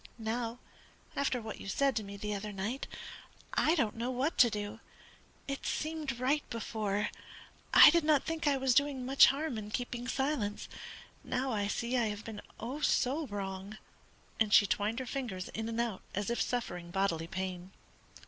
Now, after what you said to me the other night, I don't know what to do. It seemed right before. I did not think I was doing much harm in keeping silence; now I see I have been, oh, so wrong!" and she twined her fingers in and out as if suffering bodily pain.